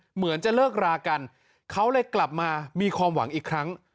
เหมือนจะเลิกรากันเขาเลยกลับมามีความหวังอีกครั้ง